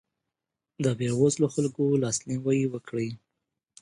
د بېوزلو خلکو لاسنیوی وکړئ.